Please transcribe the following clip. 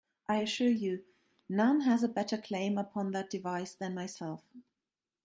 I assure you, none has a better claim upon that device than myself.